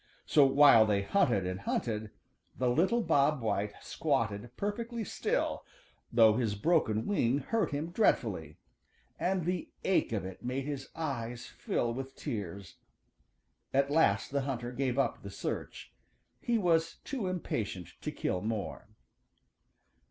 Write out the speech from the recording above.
So while they hunted and hunted, the little Bob White squatted perfectly still, though his broken wing hurt him dreadfully, and the ache of it made his eyes fill with tears. At last the hunter gave up the search. He was too impatient to kill more.